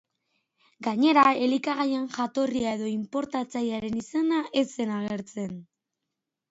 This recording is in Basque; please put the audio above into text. Gainera, elikagaien jatorria edo inportatzailearen izena ez zen agertzen.